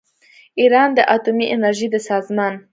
ایران د اتومي انرژۍ د سازمان